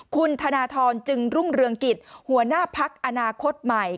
คุณธนทรจึงรุ่งเรืองกิจหัวหน้าพักอนาคตใหม่